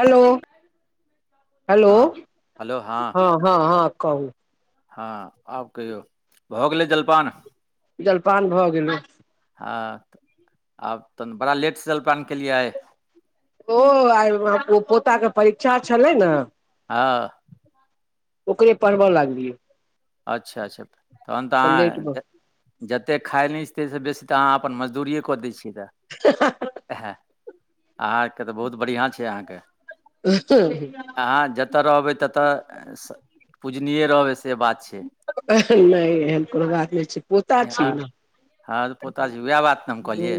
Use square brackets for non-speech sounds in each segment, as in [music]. Hello hello हँ hello हँ हँ हँ कहू। हँ आब कहियौ भऽ गेलै जलपान। जलपान भऽ गेलै। हँ आब तहन बड़ा लेटस जलपान केलियै आइ। ओ आइ ओ पोताके परीक्षा छलै ने ओऽ ओकरे पढब लागलियै। अच्छा अच्छा तहन तऽ अहाँ जते खाइ नै छी तइस बेसी तऽ अहाँ अपन मजदूरिए कऽ दै छियै तऽ। हं हां एहें अहाँके तऽ बहुत बढ़िआँ छै अहाँके। [unintelligible] अहाँ जतऽ रहबै ततऽ स पूजनीये रहबै से बात छै। अह नै एहन कोनो बात नै छै। पोता छियै ने हँ त पोता छै उएह बात ने हम कहलियै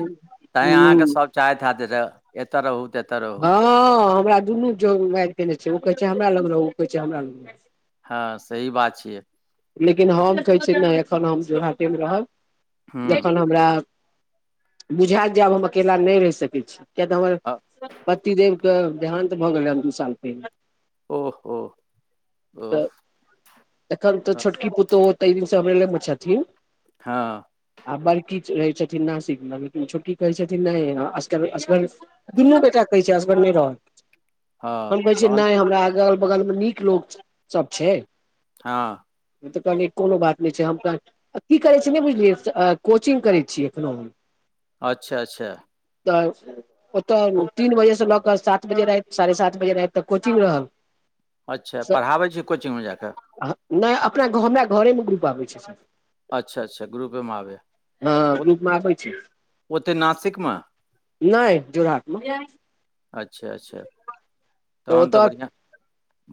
तैं ह ह अहाँके सब चाहैत हैत जे एतऽ रहू त एतऽ रहू। हँ हमरा दुनू [unintelligible] माइर केने छै ओ कहै छै हमरा लग रहु ओ कहै छै हमरा लग हां सही बात छियै। लेकिन हम कहै छीयै नै एखन हम [unintelligible] मे रहब हूँ जखन हम हमरा बुझैत जे आब हम अकेला नै रहि सकै छी किया तऽ हमर अ- पतिदेव के देहान तऽ भऽ गेल रह दू साल पहिनेे। ओ-ओ-ओ ह एखन तऽ छोटकी पुतहु तहि दिनसँ हमरमे छथिन। हँ आ बड़की छ रहै छथिन नासिकमे लेकिन छोट्की कहै छथिन नहिग असगर असगर दुनू बेटा कहै छै असगर नहि रहत। हँ हम कहै छियै तहन नहि हमरा अगल बगल मे नीक लोक च सब छै। हँ तऽ कहनि कोनो बात नहि छै हम अ की करै छी [unintelligible] नहि बुझलियै कोचिंग करै छीियै एखनो हम अच्छा अच्छा तऽ ओतऽ ओ- तीन बजे से लऽ कऽ सात बजे राति साढ़े सात बजे राति तऽ कोचिंग रहल। अच्छा पढ़ाबै छी कोचिङंगमे जाकऽ? नहि अपना घ हमरा घरेमे ग्रुप आबै छै सर। अच्छा अच्छा ग्रुपे माव हँ त [unintelligible] ग्रुप मे आबै छै ओते नासिकमे नहि जोराहटमे [unintelligible] अच्छा अच्छा तहन तऽ बढ़िआँ।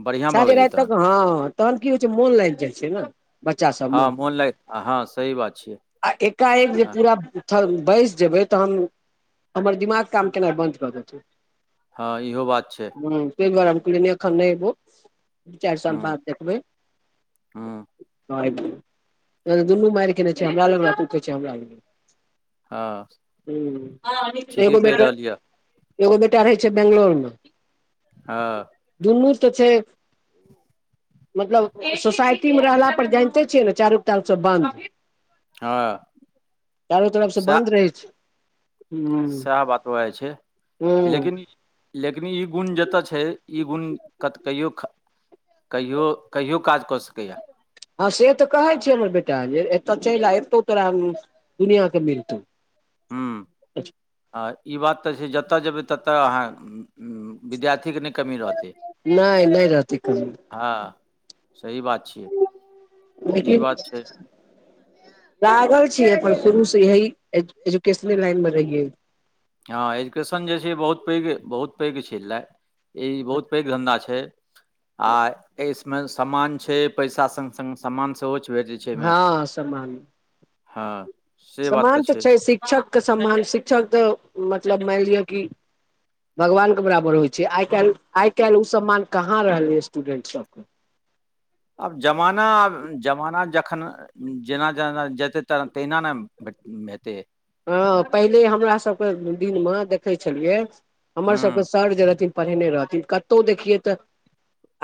बढ़िआँ भऽ साझे गेलियै राति तहन तक हँ तहन की होइ छै मोन लागल जाइ छै ने। बच्चा सबमे हँ मोन लागि हँ हँ, सही बात छियै आ एकाएक जे हँ धिआ पूरा [unintelligible] बैसि जेबै तऽ हम हमर दिमाग काम केनाइ बन्द कऽ देतै। हँ इहो बात छै। ह त बर हम कलिन एखन नहि एबो दू चारि साल हूँ बाद देखबै। हूँ [unintelligible] दुनू मार कने छै हमरा लग पूै हमरा ल हँ ह [unintelligible] ठीके कहि एगोटर रहल यऽ एगो बेटा रहै छै बेंगलोर मे। ह दुननूर तऽ छै। मतलब सोसाइटी मे रहला पर जानिते छियै ने चारू ताल सब बंन्द। हँ [unintelligible] चारो तरफ से सएह बन्द रहै छै। सएह बात उएहइ छै ह ह लेकिन इ लेकिन ई गुण जतय छै ई गुण कत कहियो कहियो कहियो काज कऽ सकैया। हँ से तऽ कहे छी हमर बेटा जे एतऽ चलि आ एतौ तोरा दुनििया के मिलतौ। [unintelligible] अचछा आ ई बात तऽ छै जतऽ जेबै ततऽ अहाँ विद्यार्थीके नहि कमी रहतै। नहि नहि रहत कोनो। हँ सही बात छै। छियै [unintelligible] ई लेकिन बात लागल छीै अपन शुरु से यही एजुकेशने लाइन मे रहिये। हँ एजुकेशन जे छै बहुत पैघ बहुत पैघ छललै। ई बहुत पैघ धंधा छै। आ इसमे सामान छै पैसा स स सामान सेहोच भेज। हँ समान। हँ। समान तऽ छै शिक्षकके समान शिक्षक तऽ मतलब माइन लिअ कि भगवान के बराबर होइ छै आइ काइल आइ काइल उ सम्मान कहाँ रहलै स्टूडेंट सबके। आब जमाना आब जमाना जखन जेना-जेना जेतै तऽ तहिना न भेट हेतै। हँ पहिले हमरा सबके दिन मं देखै छेलियै हूँ हमर सबके सर जे रहथिन पढ़ेने रहथिन कतौउ देखियै तऽ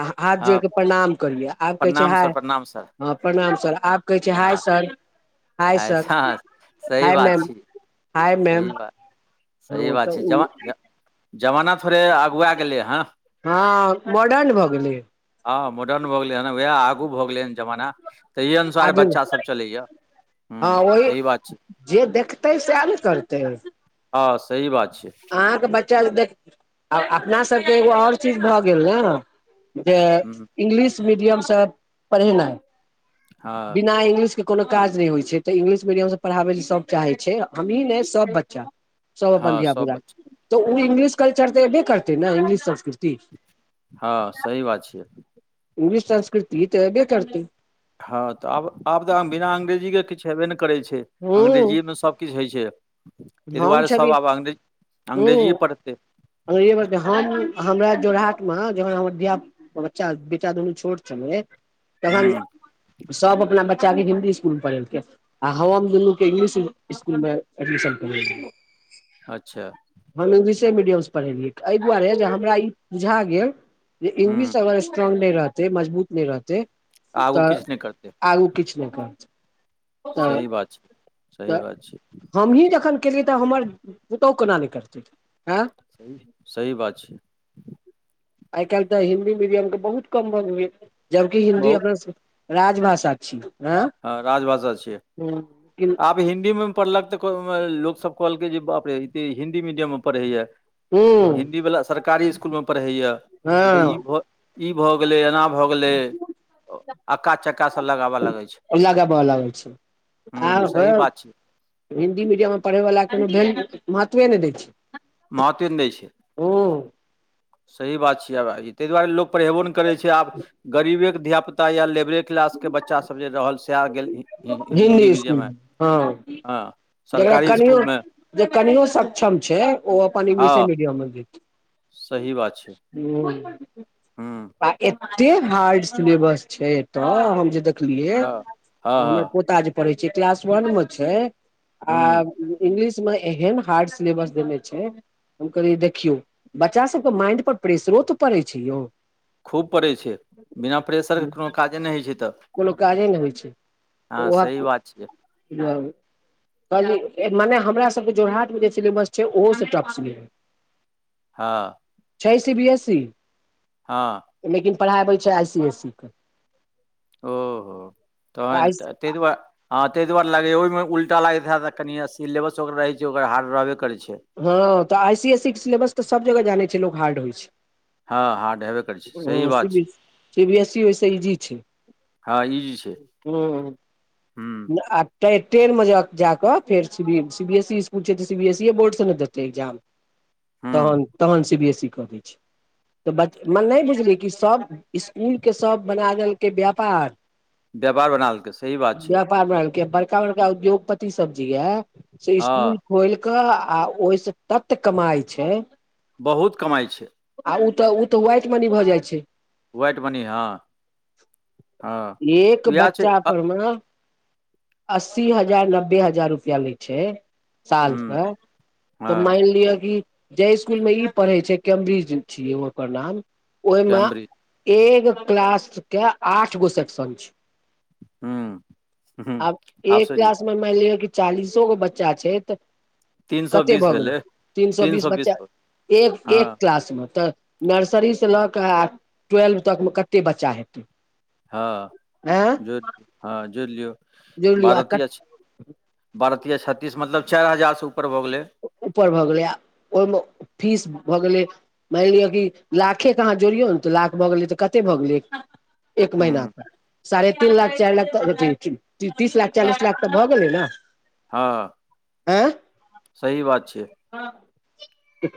हा-हाथ हँ जोइड़ कऽ प्रणाम करियै आब कहै छै प्रणाम सर हाय प्रणाम सर हँ प्रणाम सर आब कहै छै हाय सर। हाय हाय-स सर हँ सही हाय बात मैम छैय। हाय मैम सही बात सही हँ तऽ बात छै ओ जमा ज जमाना थोड़े अगुआ गेलै हँ। हँ मॉडर्न भऽ गेलै। हँ मॉडर्न भऽ गेलै हन भैया आगू भऽ गेलै हन जमाना तहि अनुसार आधुनिक बच्चासभ चलैया। हँ हूँ ओही सही बात छै जे देखतै सएह न करतै। हँ सही बात छै। अहाँके बच्चा देख आ अपना सबके एगो और चीज भऽ गेल न। जे हूँ इंग्लिश मीडियमसँ पढ़ेनाइ। हँ बिना इंग्लिशके कोनो काज नैय होइ छै तऽ इंग्लिश मीडियमसँ पढ़ाबै लऽ सभ चाहै छै हमही नैय सभ बच्चा। सब हँ अपन सब धियापुता बच्चा तऽ उ इंग्लिश कल्चर तऽ एब्बे करतै न इंग्लिश संस्कृति। हँ सही बात छियै। इंग्लिश संस्कृति तऽ एब्बे करतै। हँ तऽ आब आब तऽ बिना अंग्रेजीके किछ हेब्बे नैय करै छै हूँ अंग्रेजीएमे सब किछ होइ छै तय हम दुआरे सब छलियै आब अग्रेज अंग्रेजिए पढ़तै। अंग्रेजीए बजतै हम हमरा जोराहटमे जहन हमर धियापुता ओ बच्चा बेटा दुनू छोट छलै हूँ तखन सब अपना बच्चा के हिन्दी इस्कूलमे पढ़ेलकै। आ हम दुनू के इंग्लिश इसकुल में एडमिशन करे [unintelligible] अच्छा। हम इंग्लिशे मीडियमसँ पढ़ेलियै अय दुआरे जे हमरा ई बुझा गेल जे हूँ इंग्लिश अगर स्ट्रॉंग नैय रहतै मजबूत नैय रहतै आगू तऽ किछु नहि करतै आगू किछ नै करतै। तऽ सही बात छै सही तऽ बात छै। हमहीँ जखन केलियै तऽ हमर पुतौह कोना नैय करतै एँ। सही बात छै। आइ काइल तऽ हिंन्दी मीडियम के बहुत कम भऽ गेलै जबकि हिन्दी बहु अपना सब राजभाषा छी। हँ राजभाषा छियै लेकिन आ ब हिंन्दी में पढ़लक तऽ [unintelligible] लोक सब कहलकै जे बाप रे इ तऽ हिन्दी मीडियम में पढ़ैया। [unintelligible] हूँ हिन्दीवला सरकारी इसकुलमे पढ़ैए तऽ ई हँ भऽ ई भऽ गेलै एना भऽ गेलै अक्का-चक्का सब लगाबऽ लागै छै। लगाबऽ लागै छै हूँ आब हँ सही बात छै हिन्दी मीडियम में पढ़यवला कोनो भैल महत्वे नैय दै छै। महत्वे नैय दै छै। ओ। सही बात छियै आब ताहि दुआरे लोक पढ़ेबो नहि करै छै आब गरीबेके धिया पुता। या लेबरे क्लास के बच्चा सब जे रहल सैह गेल। हि हिन्दी मीडियम मे स्कूलमे हँ। जेकरा सरकारी स्कुल कनियो मे जे कनियो सक्षम छै ओ अपन हँ इंगलिशे मीडियम में दे। सही बात छै हूँ। [unintelligible] हूँ आ एते हार्ड सिलेबस छै एतऽ हम जे देखलियै। हँ हँ हँ हमर पोता जे पढ़े छै क्लास वन मे छै आ हूँ इंगलिश। मे एहन हार्ड सिलेबस देने छै। हम कहलियै देखियौ बच्चा सबके माइंड पर प्रेेशरो तऽ पड़ै छै यौ। खूब पड़ै छै बिना प्रेेशरके कोनो काजे नहि होइ छै तऽ। कोनो काजे नहि होइ छै। हँ सही बात छै। की हाल। कहली मने हमरा सबके जोरहटमे जे सिलेबस छै ओहोसे टफ सिले। हँ। छै सी बी एस इ। हँ। लेकिन पढ़ाइ अबै छै आई सी एस सी के। ओ हो तऽ आई तैँ तै दुआ। हँ ताहि दुआरे लगैया ओहिमे उलटा लागैत हएत आ कनि सिलेबस ओकर रहैत छै ओकर हार्ड रहबे करै छै। हँ तऽ आइ सी एस सी के सिलेबस तऽ सभ जगह जानै छै लोक हार्ड होइ छै। हँ हार्ड हेबे करै छै सही हँ सी बात बी छै सी बी एस सी ओय से इजी छै। हँ इजी छै हँ हुँ न आ। तैँ टेनमे जा कऽ फेर C C B S C school छै तऽ सी बी एस सीए बोर्डसँ ने देतै एक्जाम। हुँ तहन तहन सी बी एस सी कऽ दै छै। तऽ बच मने नहि बुझलियै कि सभ स्कुलके सभ बना देलकै व्यापार। व्यापार बना देलकै सही बात छियै व्यापार बना देलकै या। बड़का बड़का उद्योगपति सब जे या से हँ स्कूल खोल कऽ आ। ओई स तत कमाइ छै। बहुत कमाइ छै। आ रे तऽ ओ तऽ व्हाइट मनी भऽ जाइ छै। व्हाइट मनी हँ हँ एक इएह छै बच्चा परमे। अस्सी हजार नब्बे हजार रुपआ लै छै हुँ सालके। हँ तऽ मान लिअ कि जे स्कुल मे ई पढ़े छै कम्ब्रिज छियै ओकर नाम। ओहिमे कैम्ब्रिज एक क्लास के आठ गो सेक्शन छै। हुँ हुँ आब एक सोचि लियौ क्लास मे मान लिअ कि चालीसो गो बच्चा छै तऽ। तीन सौ कते बीस भऽ गेलै भेलै तीन सए बीस बच्चा एक हँ एक क्लास मे तऽ। नर्सरीसँ लऽ कऽ आर ट्वेल्व तकमे कते बच्चा हेतै। हँ आँय जोर जोर लियो हँ जुड़लियौ जोड़ि लियौ आ बारह कत तीया छतिस। बारह तिया छतीस मतलब चारि हजारसँ ऊपर भऽ गेलै। ऊपर भऽ गेलै आ ओहिमे फिश भऽ गेलै। मानि लिअ कि लाखेके अहाँ जोड़ियौ ने तऽ लाख भऽ गेलै तऽ कतेक भऽ गेलै। एक महिना हूँ के साढ़े तीन लाख चारि लाख तक। तीस लाख हँ चालीस लाख तऽ भऽ गेलै ने हँ, आ। सही बात छै।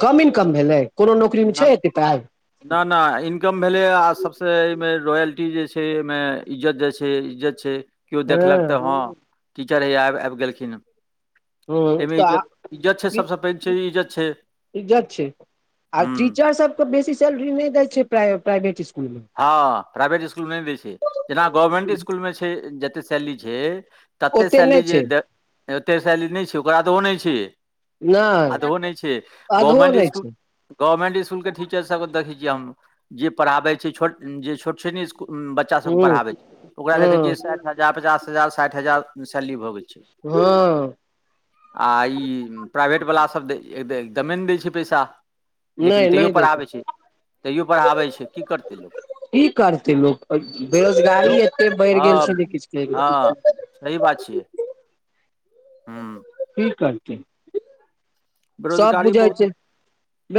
कम इनकम भेलै? कोनो नौकरीमे छै एत्ते पाइ? ना-ना इनकम भेलै, आ सभसँ एहिमे रॉयल्टी जे छै एहिमे इज्जत जाइ छै, इज्जत छै। केओ देखलक तऽ हँ, टीचर हैया आबि-आबि गेलखिन हं। हँ एहिमे तऽ इज्जत इज्जत छै, ई सबसे पैघ छै, इज्जत छै। इज्जत छै, आ हूँ टीचर सबके बेसी सैलरी नहि दै छै प्राय- प्राइवेट इस्कुल मे। हँ प्राइवेट इसकुलमे नै दै छै, जेना गवर्मेन्ट इसकुलमे छै जत्ते सैलरी छै तते ओते सैली नहि जे छै दे, तेते सैली नहि छै, ओकरा त ओ नहि छै नहि आधहो नहि छै। आधो गवर्मेंट नहि इसकुल छै गवर्मेंट स्कूल के टीचर सब के देखै छियै हम। जे पढ़ाबे छी छोट- जे छोट छीन इस्कू-बच्च बच्चा सबके हुं पढ़ाबै छै। ओकरा देखै हँ छियै साठि हजार, पचास हजार, साठि हजार सैलरी भऽ गेल छै। हुं आ ई प्राइवेट वला सभ [unintelligible] एकदमे नै दै छै पैसा। लेकिन नहि तैयो नहि दै पढ़ाबै छै, तैयो पढ़ाबै छै। कि करतै? लोक कि करतै लोक? [unintelligible] बेरोजगारी लोक एते बढ़ि हँ गेल छै जे किछ कै हँ सही बात छियै। हुं कि करथिन? सब बेरोजगारी बुझै छै। बहुत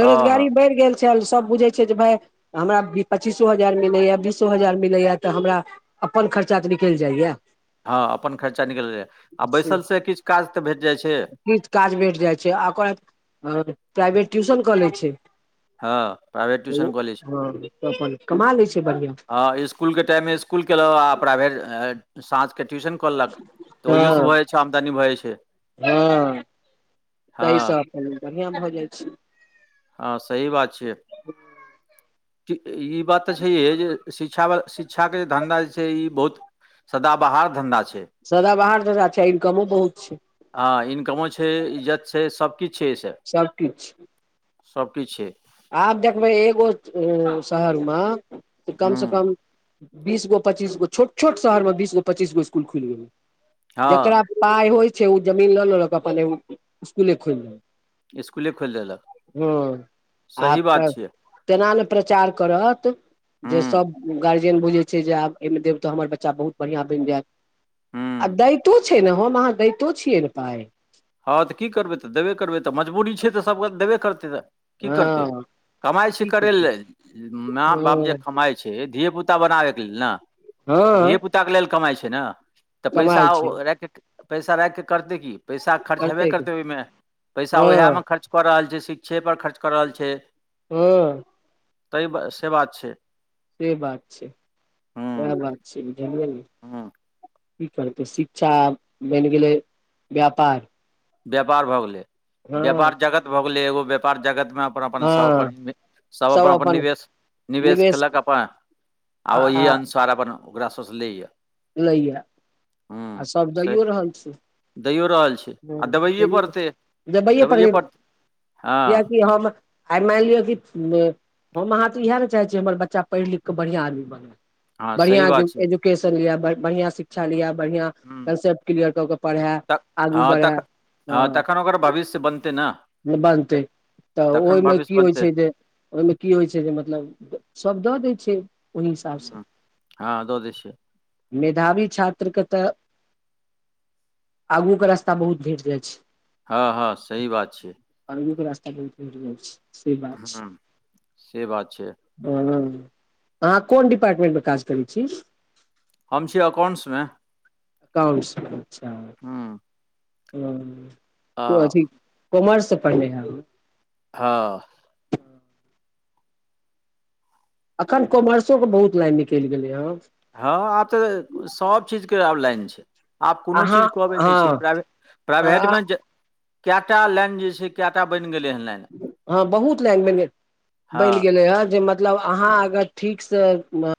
हँ हँ बढ़ि गेल चल सब बुझै छै जे भाय हमरा पच्चीसो हजार मिलैया, बीसो हजार मिलैया, तऽ हमरा अपन खर्चा तऽ निकलि जाइया। हँ अपन खर्चा निकलैए। आ बैसलसे किछ काज तऽ भेट जाइ छै। किछ काज भेट जाइ छै। आ ओकर हं, प्राइवेट ट्यूशन कऽ लै छै। हँ प्राइवेट ट्यूशन कॉलेज उं-हुं, अपन कमा लै छै बढ़िआं। हँ इसकुलके टाइममे इसकुल केलउं, आ प्राइभेर अ-साँझके ट्यूशन [unintelligible] तऽ ओहियो सेऽ हँ भऽ जाय छै, आमदनी भ जाइ छै। हँ बढ़िआं भऽ जाइ छै। हँ, सही बात छियै। [inaudible] ई बात तऽ छैहे जे शिक्षा ब-शिक्षाके जे धन्धा जे छै, ई बहुत सदाबहार धन्धा छै। सदाबहार घंघा छै, आ इनकमो बहुत छै। हँ, इनकमो छै, इज्जत छै, सबकिछ छै एहिसे। सबकिछ सबकिछ छै। आब देखबै एगो अं-शहर म, कम हुँ से कम बीसगो पच्चीस गो, छोट -छोट शहरमे बीसगो पच्चीस गो इसकुल खुलि गेलै। हँ जकरा पाय होइ छै, उ जमीन लऽ लेलक। अपन एगो इसकुले खोलि लेलक। इसकुले खोइल देलक। आ सही बात [unintelligible] छियै तेना ने प्रचार करत हुँ जे सब गार्जियन बुझैत छै, जे आब एहिमे देब तऽ हमर बच्चा बहुत बढ़िआं बनि जायत। आ हुँ दैतो छै ने, हम अहाँ दैतो छियै ने पाइ। हँ तऽ कि करबै? तऽ देबे करबै, तऽ मजबूरी छै तऽ सभके देबे करतै नऽ। कि करतै? हँ कमाइ छै की करै करतै ले, मा-बाप जे हँ कमाइ छै धिये पुता बनाबैके लेल ने धिय हँ पुताक के लेल कमाइ छै ने तऽ कमाइ छै पैसाओ राइख पैसा राखिक करतै की पैसा खर्च हेबे करतै ओहिमे पैसा हँ उएहमे खर्च कऽ रहल छै शिक्षे पर खर्च कऽ रहल छै। हँ ता इ से बात छै। से बात छै सएह हूँ बात छै बुझलियै हूँ ने। शिक्षा बनि गेलै व्यापार। व्यापार भऽ गेलै हँ व्यापार जगत भऽ गेलै एगो व्यापार जगत मे अपन हँ सब अपन सब अपन सब अपन अपन निवेश निवेश केलक अपन आ ओही अनुसार अपन ओकरा सोचले य। लए आ अ सभ से दैओ रहल छी। दैयो रहल छै ह आ देबैए ज पड़तै जबैए प दबाइए पर हँ कियकि हम आइ मानि लिय कि हम अहाँ तऽ इएह ने चाहै छीयै हमर बच्चा पढ़ि लिखि कऽ बढ़िआँ आदमी बनय। हँ सही बढ़िआँ एजु बात छै एजुकेशन लिअ बढ बढ़आँ शिक्षा लिअ बढ़िआँ ह कन्सेप्ट क्लियर कऽ के पढ़ै आगू बढ़ै हँ। ग ब बारिश बनते न। बनतै तऽ ओहिमे की होइ बनतै छै जे। ओहिमे की होइ छै जे मतलब सभ दऽ दै छै। ओय हिसाबसँ हँ दऽ दै छियै मेधावी छात्र के तऽ [unintelligible] आगू के रास्ता बहुत भेट जाइ छै। हँ हँ सही बात छियै। आरबे रासा बहुत भेट जाइ छै। से बात ह से बात छै। ह अहाँ कोन डिपार्टमेंट मे काज करै छी? हम छी अकाउंट्समे। काउंसिला छै। हँ ह अथी कोमर से पढ़ने है। हँ अखन कॉमर्सोके बहुत लाइन निकलि गेलै हेँ। हँ आब तऽ सब चीज के आब लाइन छै। आब कोनो अहाँ चीजके अबै नहि छै हँ प्राइभे अ- प्राइभेटमे जे कएटा लाइन जे छै कए टा बनि गेलै हेन लाइन हँ बहुत लैंगमे हँ बनि गेलै हे जे म मतलब अहाँ अगर ठीकसँ म